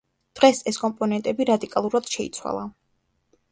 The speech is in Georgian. დღეს ეს კომპონენტები რადიკალურად შეიცვალა.